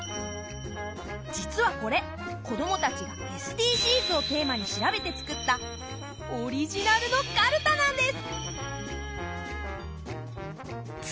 実はこれ子どもたちがＳＤＧｓをテーマに調べてつくったオリジナルのかるたなんです！